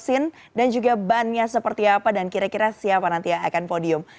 mesin dan juga bannya seperti apa dan kira kira siapa nanti yang akan podium